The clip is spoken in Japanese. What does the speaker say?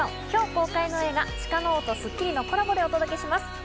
今日公開の映画『鹿の王』と『スッキリ』のコラボでお届けします。